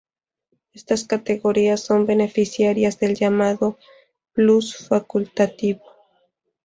Estas categorías son beneficiarias del llamado "plus facultativo".